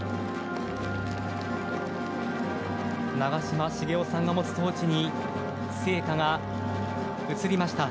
長嶋茂雄さんが持つトーチに聖火が移りました。